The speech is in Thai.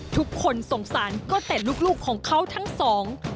ทุกคนสงสารก็แต่ลูกลูกของเขาทั้งสอง